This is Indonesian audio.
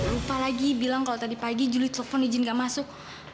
lupa lagi bilang kalau tadi pagi juli telepon izin gak masuk